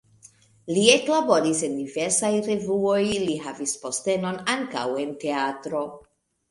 Li eklaboris en diversaj revuoj, li havis postenon ankaŭ en teatro.